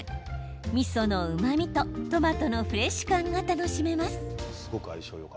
みそのうまみとトマトのフレッシュ感が楽しめます。